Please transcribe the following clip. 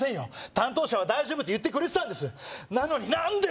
担当者は大丈夫って言ってくれてたんですなのに何で！